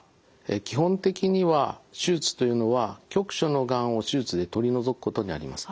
基本的には手術というのは局所のがんを手術で取り除くことにあります。